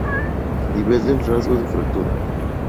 Nivel del rasgo de fractura.